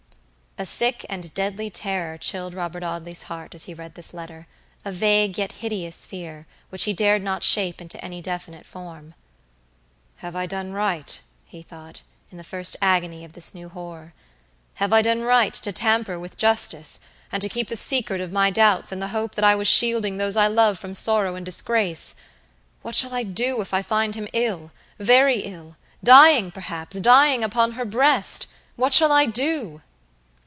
A sick and deadly terror chilled Robert Audley's heart, as he read this lettera vague yet hideous fear, which he dared not shape into any definite form. "Have I done right?" he thought, in the first agony of this new horror"have I done right to tamper with justice; and to keep the secret of my doubts in the hope that I was shielding those I love from sorrow and disgrace? What shall I do if I find him ill, very ill, dying perhaps, dying upon her breast! What shall I do?"